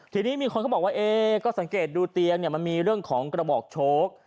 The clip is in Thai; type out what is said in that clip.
ทีนี้มีคนเขาบอกว่าเอ๊ก็สังเกตดูเตียงเนี่ยมันมีเรื่องของกระบอกโชค